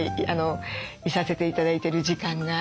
居させて頂いてる時間が。